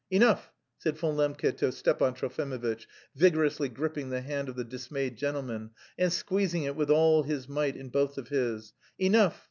"Enough!" said Von Lembke to Stepan Trofimovitch, vigorously gripping the hand of the dismayed gentleman and squeezing it with all his might in both of his. "Enough!